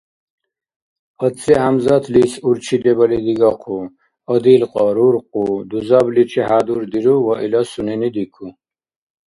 Ацци-ХӀямзатлис урчи дебали дигахъу, адилкьа, руркъу, дузабличи хӀядурдиру ва ила сунени дику.